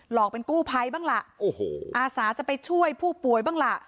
อกเป็นกู้ภัยบ้างล่ะโอ้โหอาสาจะไปช่วยผู้ป่วยบ้างล่ะ